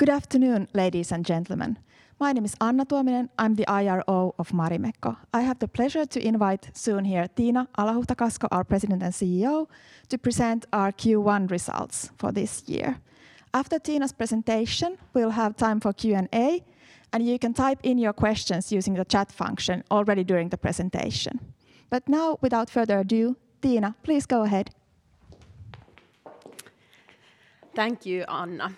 Good afternoon, ladies and gentlemen. My name is Anna Tuominen. I'm the IRO of Marimekko. I have the pleasure to invite soon here Tiina Alahuhta-Kasko, our President and CEO, to present our Q1 results for this year. After Tiina's presentation, we'll have time for Q&A, and you can type in your questions using the chat function already during the presentation. Now, without further ado, Tiina, please go ahead. Thank you, Anna,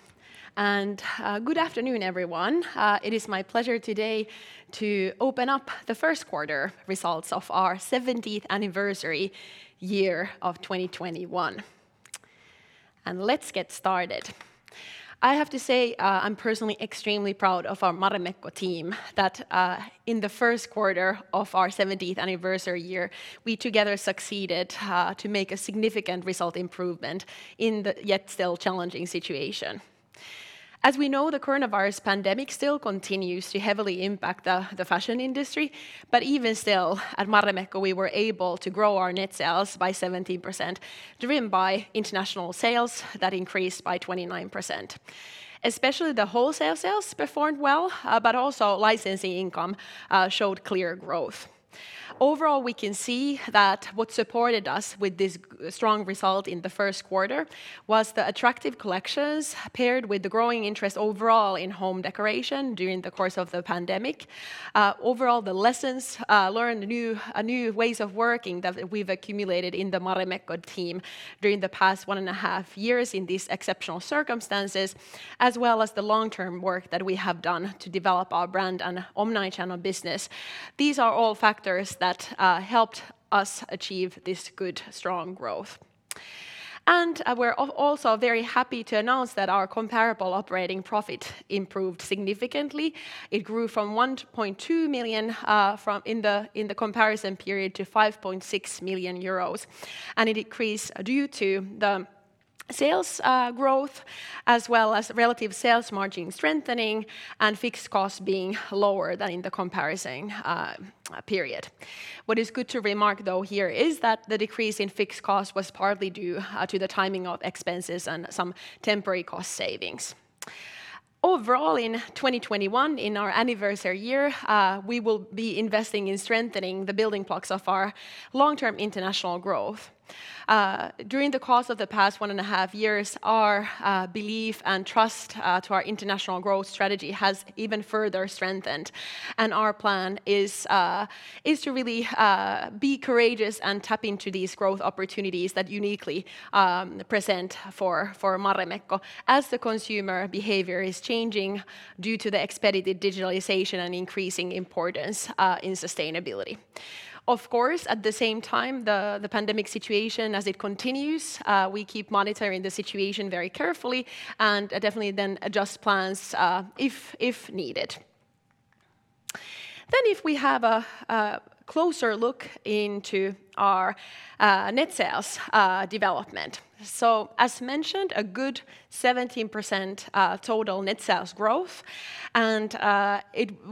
and good afternoon, everyone. It is my pleasure today to open up the first quarter results of our 70th anniversary year of 2021. Let's get started. I have to say, I'm personally extremely proud of our Marimekko team that in the first quarter of our 70th anniversary year, we together succeeded to make a significant result improvement in the yet still challenging situation. As we know, the coronavirus pandemic still continues to heavily impact the fashion industry. Even still, at Marimekko, we were able to grow our net sales by 17%, driven by international sales that increased by 29%. Especially the wholesale sales performed well, but also licensing income showed clear growth. Overall, we can see that what supported us with this strong result in the first quarter was the attractive collections paired with the growing interest overall in home decoration during the course of the pandemic. Overall, the lessons learned, new ways of working that we've accumulated in the Marimekko team during the past one and a half years in these exceptional circumstances, as well as the long-term work that we have done to develop our brand and omnichannel business. These are all factors that helped us achieve this good, strong growth. We're also very happy to announce that our comparable operating profit improved significantly. It grew from 1.2 million in the comparison period to 5.6 million euros. It increased due to the sales growth as well as relative sales margin strengthening and fixed cost being lower than in the comparison period. What is good to remark, though, here is that the decrease in fixed cost was partly due to the timing of expenses and some temporary cost savings. Overall, in 2021, in our anniversary year, we will be investing in strengthening the building blocks of our long-term international growth. During the course of the past one and a half years, our belief and trust to our international growth strategy has even further strengthened. Our plan is to really be courageous and tap into these growth opportunities that uniquely present for Marimekko as the consumer behavior is changing due to the expedited digitalization and increasing importance in sustainability. Of course, at the same time, the pandemic situation as it continues, we keep monitoring the situation very carefully and definitely then adjust plans if needed. If we have a closer look into our net sales development. As mentioned, a good 17% total net sales growth,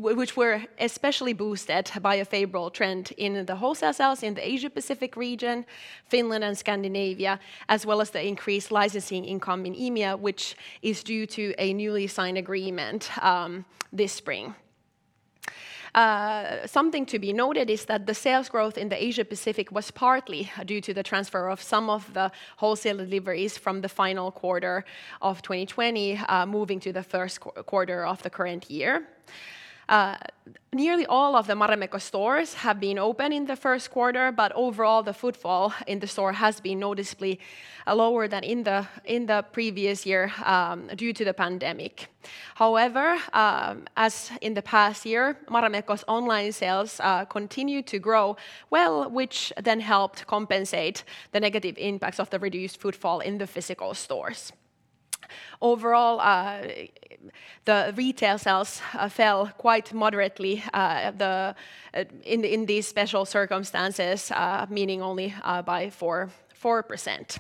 which were especially boosted by a favorable trend in the wholesale sales in the Asia-Pacific region, Finland, and Scandinavia, as well as the increased licensing income in EMEA, which is due to a newly signed agreement this spring. Something to be noted is that the sales growth in the Asia-Pacific was partly due to the transfer of some of the wholesale deliveries from the final quarter of 2020 moving to the first quarter of the current year. Nearly all of the Marimekko stores have been open in the first quarter, but overall, the footfall in the store has been noticeably lower than in the previous year due to the pandemic. However, as in the past year, Marimekko's online sales continue to grow, which then helped compensate the negative impacts of the reduced footfall in the physical stores. Overall, the retail sales fell quite moderately in these special circumstances, meaning only by 4%.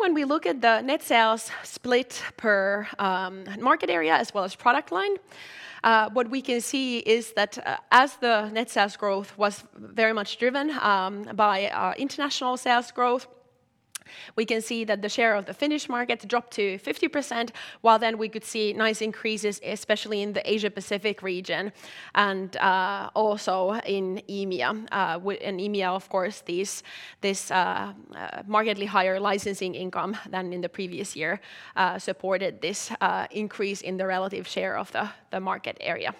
When we look at the net sales split per market area as well as product line, what we can see is that as the net sales growth was very much driven by our international sales growth, we can see that the share of the Finnish market dropped to 50%, while we could see nice increases, especially in the Asia-Pacific region and also in EMEA. In EMEA, of course, this markedly higher licensing income than in the previous year supported this increase in the relative share of the market area.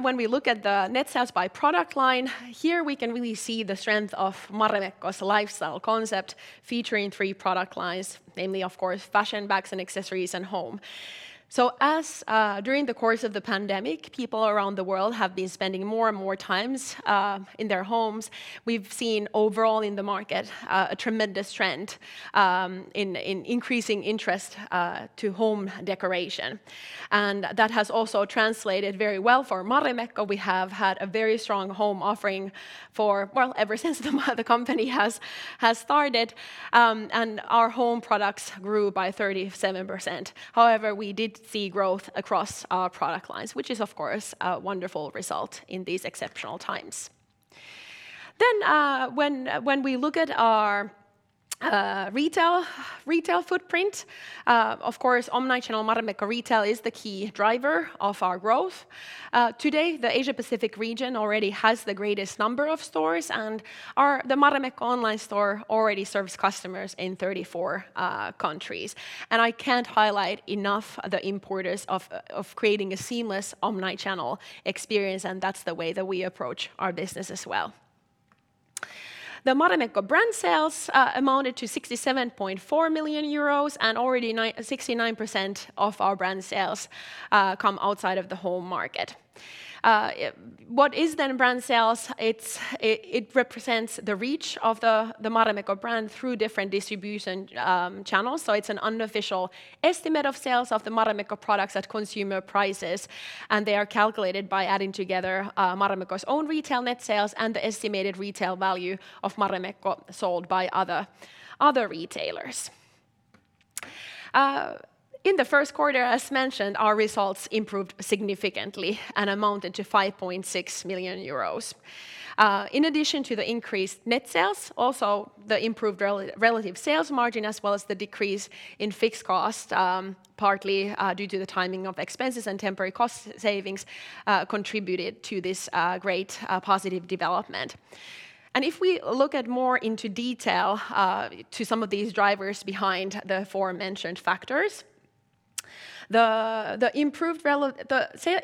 When we look at the net sales by product line, here we can really see the strength of Marimekko's lifestyle concept featuring three product lines, namely, of course, fashion, bags and accessories, and home. As during the course of the pandemic, people around the world have been spending more and more times in their homes. We've seen overall in the market a tremendous trend in increasing interest to home decoration. That has also translated very well for Marimekko. We have had a very strong home offering for, well, ever since the company has started, and our home products grew by 37%. However, we did see growth across our product lines, which is of course a wonderful result in these exceptional times. When we look at our retail footprint, of course, omnichannel Marimekko retail is the key driver of our growth. Today, the Asia-Pacific region already has the greatest number of stores, and the Marimekko online store already serves customers in 34 countries. I can't highlight enough the importance of creating a seamless omnichannel experience, and that's the way that we approach our business as well. The Marimekko brand sales amounted to 67.4 million euros, and already 69% of our brand sales come outside of the home market. What is, then, brand sales? It represents the reach of the Marimekko brand through different distribution channels. It's an unofficial estimate of sales of the Marimekko products at consumer prices, and they are calculated by adding together Marimekko's own retail net sales and the estimated retail value of Marimekko sold by other retailers. In the first quarter, as mentioned, our results improved significantly and amounted to 5.6 million euros. In addition to the increased net sales, also the improved relative sales margin as well as the decrease in fixed cost, partly due to the timing of expenses and temporary cost savings, contributed to this great positive development. If we look at more into detail to some of these drivers behind the forementioned factors, the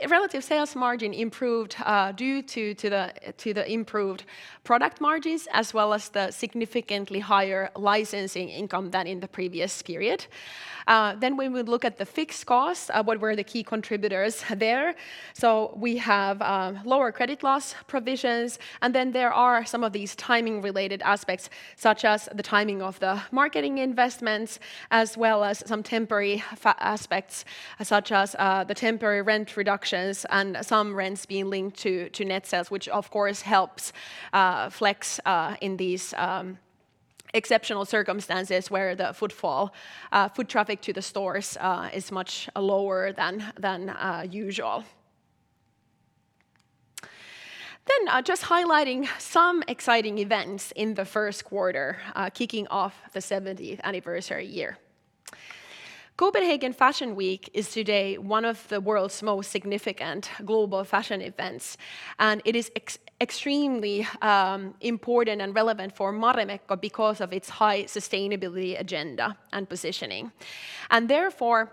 relative sales margin improved due to the improved product margins as well as the significantly higher licensing income than in the previous period. We would look at the fixed costs, what were the key contributors there. We have lower credit loss provisions, and then there are some of these timing-related aspects, such as the timing of the marketing investments, as well as some temporary aspects, such as the temporary rent reductions and some rents being linked to net sales, which of course helps flex in these exceptional circumstances where the foot traffic to the stores is much lower than usual. Just highlighting some exciting events in the first quarter, kicking off the 70th anniversary year. Copenhagen Fashion Week is today one of the world's most significant global fashion events, and it is extremely important and relevant for Marimekko because of its high sustainability agenda and positioning. Therefore,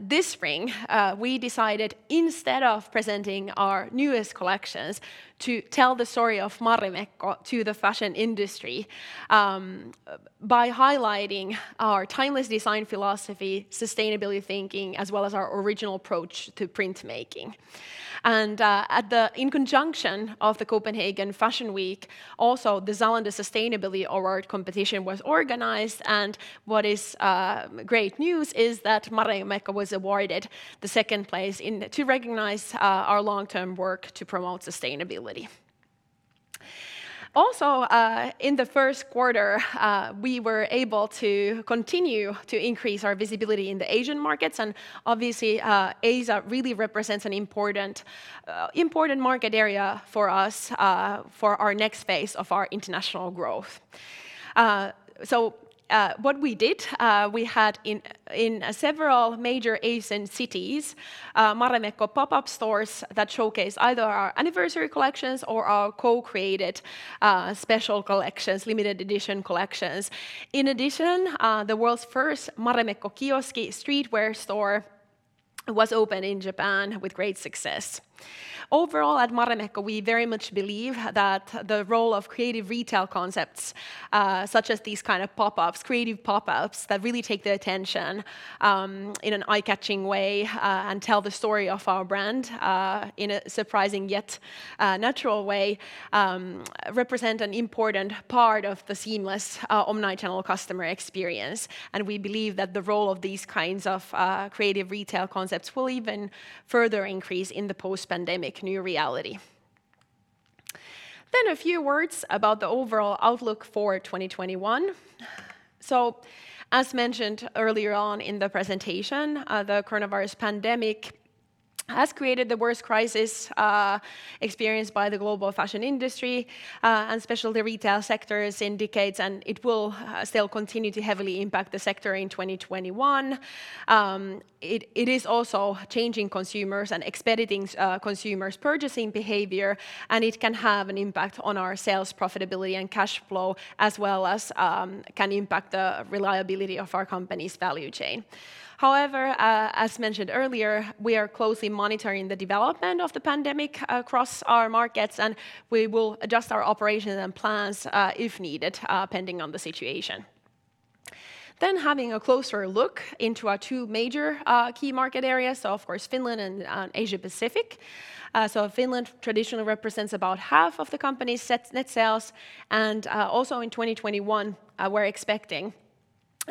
this spring, we decided instead of presenting our newest collections, to tell the story of Marimekko to the fashion industry by highlighting our timeless design philosophy, sustainability thinking, as well as our original approach to printmaking. In conjunction of the Copenhagen Fashion Week, also the Zalando Sustainability Award competition was organized, and what is great news is that Marimekko was awarded the second place to recognize our long-term work to promote sustainability. Also, in the first quarter, we were able to continue to increase our visibility in the Asian markets, and obviously, Asia really represents an important market area for us for our next phase of our international growth. What we did, we had in several major Asian cities, Marimekko pop-up stores that showcase either our anniversary collections or our co-created special collections, limited edition collections. In addition, the world's first Marimekko Kioski streetwear store was opened in Japan with great success. Overall, at Marimekko, we very much believe that the role of creative retail concepts, such as these kind of creative pop-ups that really take the attention in an eye-catching way and tell the story of our brand in a surprising yet natural way, represent an important part of the seamless omnichannel customer experience. We believe that the role of these kinds of creative retail concepts will even further increase in the post-pandemic new reality. A few words about the overall outlook for 2021. As mentioned earlier on in the presentation, the coronavirus pandemic has created the worst crisis experienced by the global fashion industry and specialty retail sector in decades, and it will still continue to heavily impact the sector in 2021. It is also changing consumers and expediting consumers' purchasing behavior, and it can have an impact on our sales profitability and cash flow, as well as can impact the reliability of our company's value chain. However, as mentioned earlier, we are closely monitoring the development of the pandemic across our markets, and we will adjust our operations and plans if needed, pending on the situation. Having a closer look into our two major key market areas, of course, Finland and Asia-Pacific. Finland traditionally represents about half of the company's net sales, and also in 2021, we're expecting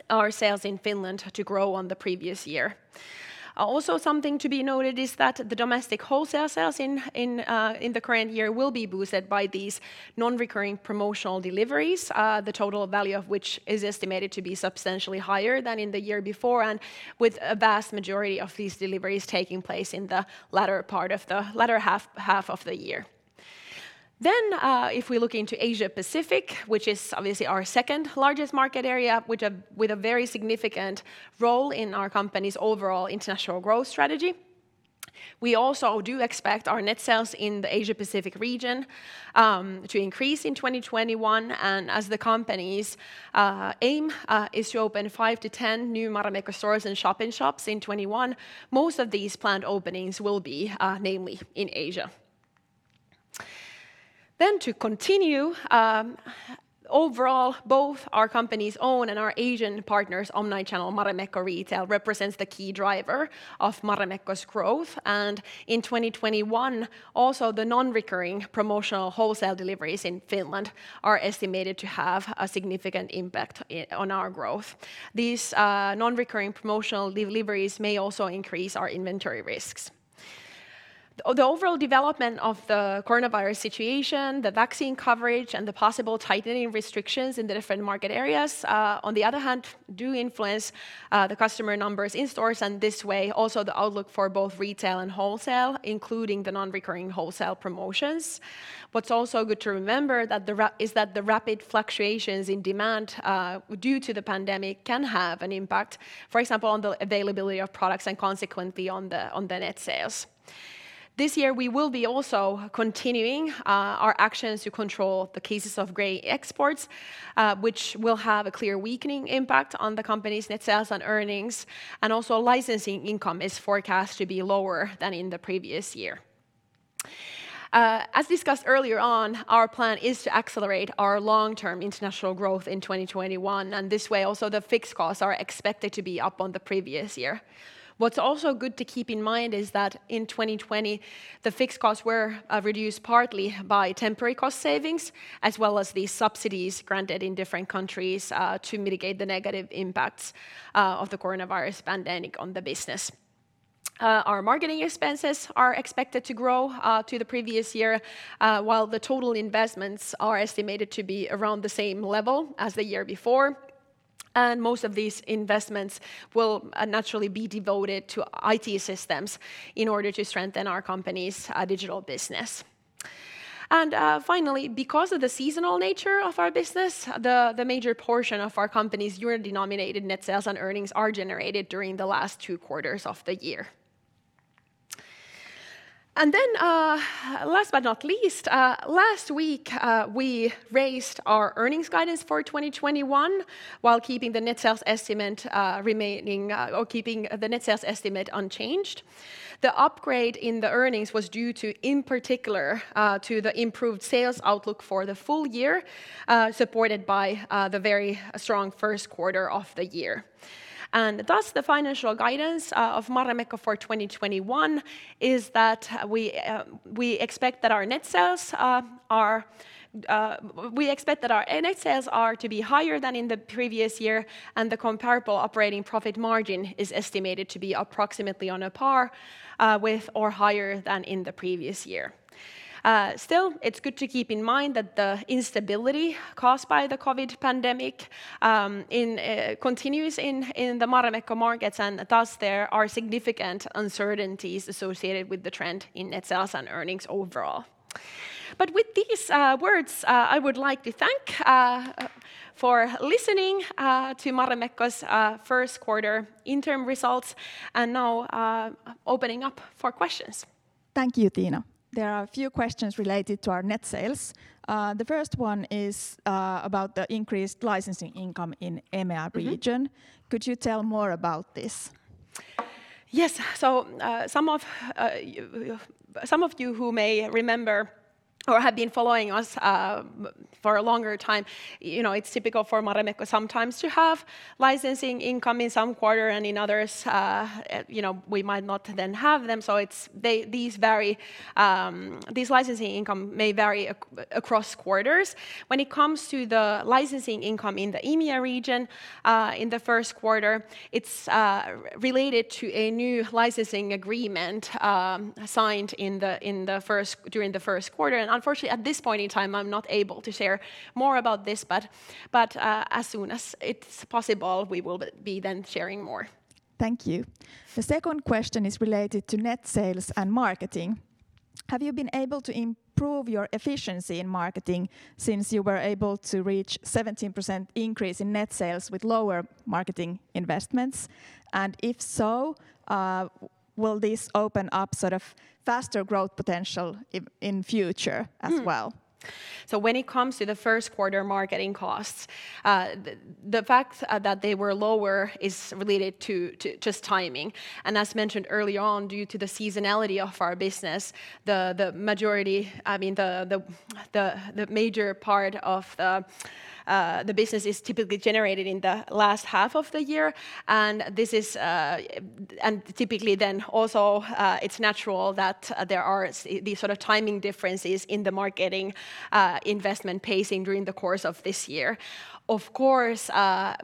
our sales in Finland to grow on the previous year. Also something to be noted is that the domestic wholesale sales in the current year will be boosted by these non-recurring promotional deliveries, the total value of which is estimated to be substantially higher than in the year before and with a vast majority of these deliveries taking place in the latter half of the year. If we look into Asia-Pacific, which is obviously our second-largest market area with a very significant role in our company's overall international growth strategy. We also do expect our net sales in the Asia-Pacific region to increase in 2021. As the company's aim is to open 5-10 new Marimekko stores and shop-in-shops in 2021, most of these planned openings will be namely in Asia. To continue, overall, both our company's own and our Asian partner's omnichannel Marimekko retail represents the key driver of Marimekko's growth. In 2021, also the non-recurring promotional wholesale deliveries in Finland are estimated to have a significant impact on our growth. These non-recurring promotional deliveries may also increase our inventory risks. The overall development of the coronavirus situation, the vaccine coverage, and the possible tightening restrictions in the different market areas, on the other hand, do influence the customer numbers in stores, and this way also the outlook for both retail and wholesale, including the non-recurring wholesale promotions. What's also good to remember is that the rapid fluctuations in demand due to the pandemic can have an impact, for example, on the availability of products and consequently on the net sales. This year, we will be also continuing our actions to control the cases of gray exports, which will have a clear weakening impact on the company's net sales and earnings. Also licensing income is forecast to be lower than in the previous year. As discussed earlier on, our plan is to accelerate our long-term international growth in 2021, and this way also the fixed costs are expected to be up on the previous year. What's also good to keep in mind is that in 2020, the fixed costs were reduced partly by temporary cost savings, as well as the subsidies granted in different countries to mitigate the negative impacts of the coronavirus pandemic on the business. Our marketing expenses are expected to grow to the previous year, while the total investments are estimated to be around the same level as the year before. Most of these investments will naturally be devoted to IT systems in order to strengthen our company's digital business. Finally, because of the seasonal nature of our business, the major portion of our company's euro-denominated net sales and earnings are generated during the last two quarters of the year. Last but not least, last week we raised our earnings guidance for 2021 while keeping the net sales estimate unchanged. The upgrade in the earnings was due in particular to the improved sales outlook for the full year, supported by the very strong first quarter of the year. Thus, the financial guidance of Marimekko for 2021 is that we expect that our net sales are to be higher than in the previous year, and the comparable operating profit margin is estimated to be approximately on a par with or higher than in the previous year. Still, it's good to keep in mind that the instability caused by the COVID pandemic continues in the Marimekko markets. Thus, there are significant uncertainties associated with the trend in net sales and earnings overall. With these words, I would like to thank for listening to Marimekko's first quarter interim results, and now I'm opening up for questions. Thank you, Tiina. There are a few questions related to our net sales. The first one is about the increased licensing income in EMEA region. Could you tell more about this? Yes. Some of you who may remember or have been following us for a longer time, it's typical for Marimekko sometimes to have licensing income in some quarter and in others we might not then have them. These licensing income may vary across quarters. When it comes to the licensing income in the EMEA region in the first quarter, it's related to a new licensing agreement signed during the first quarter. Unfortunately, at this point in time, I'm not able to share more about this, but as soon as it's possible, we will be then sharing more. Thank you. The second question is related to net sales and marketing. Have you been able to improve your efficiency in marketing since you were able to reach 17% increase in net sales with lower marketing investments? If so, will this open up sort of faster growth potential in future as well? When it comes to the first quarter marketing costs, the fact that they were lower is related to just timing. As mentioned early on, due to the seasonality of our business, the major part of the business is typically generated in the last half of the year. Typically then also it's natural that there are these sort of timing differences in the marketing investment pacing during the course of this year. Of course,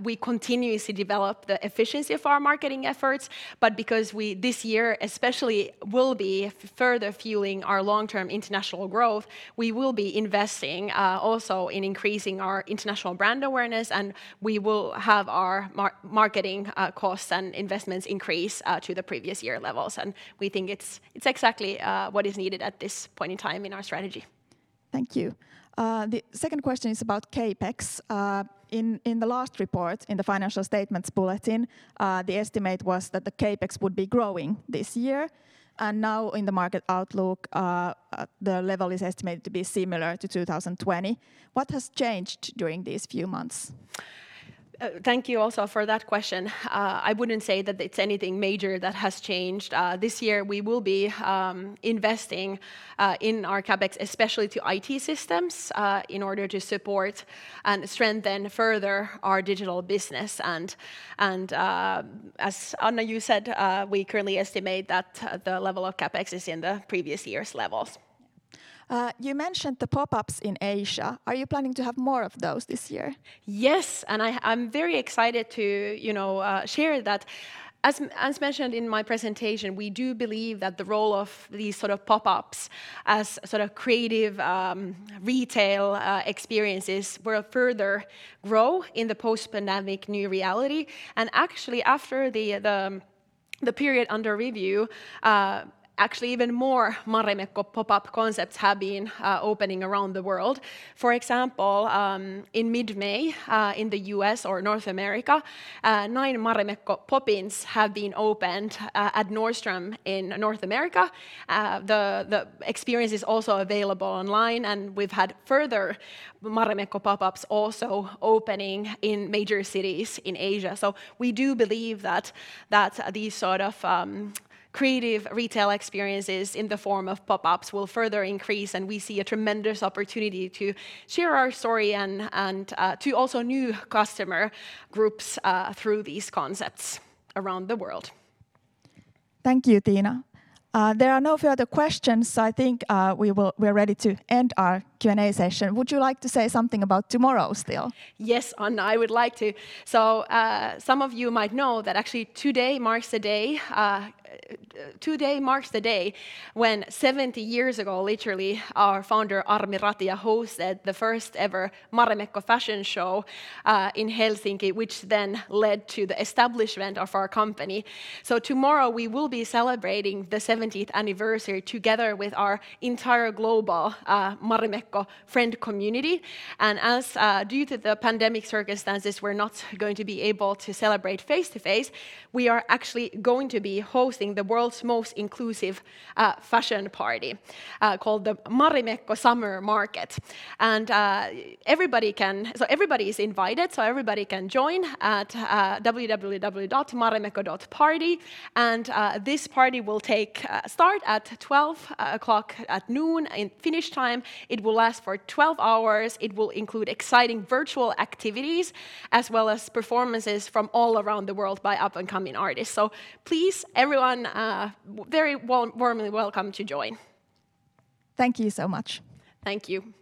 we continuously develop the efficiency of our marketing efforts, but because this year especially will be further fueling our long-term international growth, we will be investing also in increasing our international brand awareness, and we will have our marketing costs and investments increase to the previous year levels. We think it's exactly what is needed at this point in time in our strategy. Thank you. The second question is about CapEx. In the last report, in the financial statements bulletin, the estimate was that the CapEx would be growing this year. Now in the market outlook, the level is estimated to be similar to 2020. What has changed during these few months? Thank you also for that question. I wouldn't say that it's anything major that has changed. This year we will be investing in our CapEx, especially to IT systems, in order to support and strengthen further our digital business. As Anna, you said, we currently estimate that the level of CapEx is in the previous year's levels. You mentioned the pop-ups in Asia. Are you planning to have more of those this year? Yes, I'm very excited to share that. As mentioned in my presentation, we do believe that the role of these sort of pop-ups as creative retail experiences will further grow in the post-pandemic new reality. Actually, after the period under review, even more Marimekko pop-up concepts have been opening around the world. For example, in mid-May, in the U.S. or North America, nine Marimekko pop-ins have been opened at Nordstrom in North America. The experience is also available online, and we've had further Marimekko pop-ups also opening in major cities in Asia. We do believe that these sort of creative retail experiences in the form of pop-ups will further increase, and we see a tremendous opportunity to share our story and to also new customer groups through these concepts around the world. Thank you, Tiina. There are no further questions, so I think we're ready to end our Q&A session. Would you like to say something about tomorrow still? Yes, Anna, I would like to. Some of you might know that actually today marks the day when 70 years ago, literally, our Founder, Armi Ratia, hosted the first-ever Marimekko fashion show in Helsinki, which then led to the establishment of our company. Tomorrow, we will be celebrating the 70th anniversary together with our entire global Marimekko friend community. As due to the pandemic circumstances, we're not going to be able to celebrate face-to-face. We are actually going to be hosting the world's most inclusive fashion party, called the Marimekko Summer Market. Everybody is invited, everybody can join at www.marimekko.party. This party will start at 12:00 P.M. in Finnish time. It will last for 12 hours. It will include exciting virtual activities as well as performances from all around the world by up-and-coming artists. Please, everyone, very warmly welcome to join. Thank you so much. Thank you.